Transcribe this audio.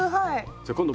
じゃあ今度